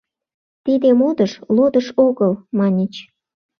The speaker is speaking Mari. — Тиде модыш — лодыш огыл, — маньыч.